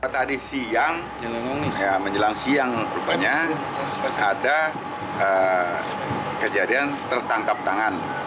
tadi siang menjelang siang rupanya ada kejadian tertangkap tangan